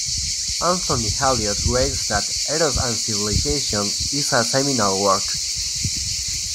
Anthony Elliott writes that "Eros and Civilization" is a "seminal" work.